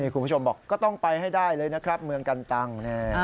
คุณผู้ชมบอกก็ต้องไปให้ได้เลยนะครับเมืองกันตัง